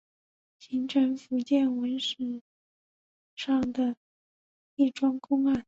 形成福建文史上的一桩公案。